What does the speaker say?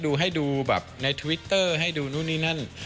ให้ดูแบบในทวิตเตอร์ให้ดูนู่นนี่นั่น